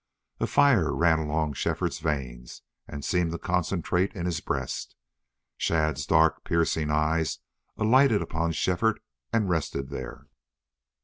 A fire ran along Shefford's veins and seemed to concentrate in his breast. Shadd's dark, piercing eyes alighted upon Shefford and rested there.